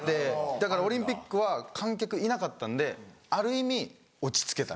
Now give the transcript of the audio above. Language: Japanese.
だからオリンピックは観客いなかったんである意味落ち着けた。